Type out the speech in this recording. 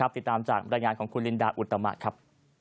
ติดตามจากบรรยายงานของคุณลินดาอุตมะครับ